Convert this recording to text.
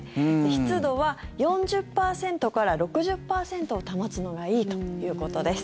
湿度は４０％から６０％を保つのがいいということです。